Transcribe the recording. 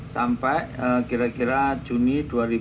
sampai kira kira juni dua ribu dua puluh